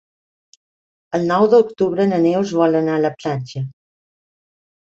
El nou d'octubre na Neus vol anar a la platja.